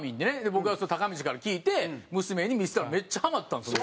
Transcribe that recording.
僕はそれたかみちから聞いて娘に見せたらめっちゃハマったんですよ。